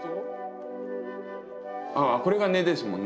ああこれが根ですもんね。